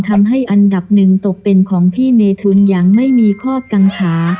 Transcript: ทำให้อันดับหนึ่งตกเป็นของพี่เมทุนยังไม่มีข้อกังขา